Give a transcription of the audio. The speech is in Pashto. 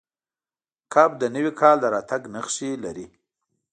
کب د نوي کال د راتګ نښې لري.